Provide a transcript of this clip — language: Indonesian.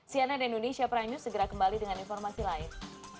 cnn indonesia prime news segera kembali dengan informasi lain